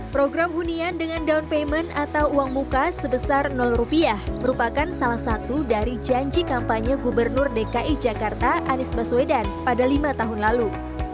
program hunian dengan down payment atau uang muka sebesar rupiah merupakan salah satu dari janji kampanye gubernur dki jakarta anies baswedan pada lima tahun lalu